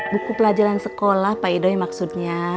buku pelajaran sekolah pak idoy maksudnya